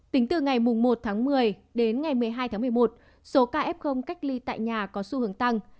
tính từ ngày một tháng một mươi đến ngày một mươi hai tháng một mươi một số ca f cách ly tại nhà có xu hướng tăng